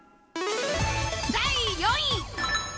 第４位。